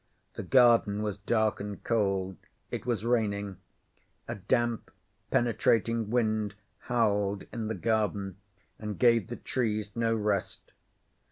The garden was dark and cold. It was raining. A damp, penetrating wind howled in the garden and gave the trees no rest.